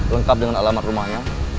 lengkap dengan alamat rumahnya